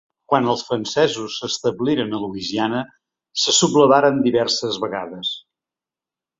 Quan els francesos s'establiren a Louisiana se sublevaren diverses vegades.